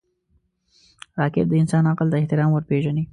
راکټ د انسان عقل ته احترام ورپېژني